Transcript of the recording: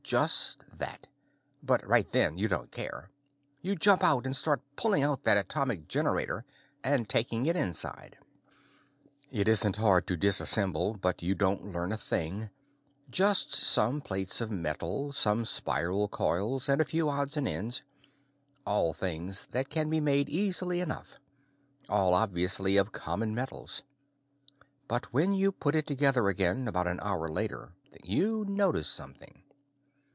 Just that. But right then, you don't care. You jump out and start pulling out that atomic generator and taking it inside. It isn't hard to disassemble, but you don't learn a thing; just some plates of metal, some spiral coils, and a few odds and ends all things that can be made easily enough, all obviously of common metals. But when you put it together again, about an hour later, you notice something.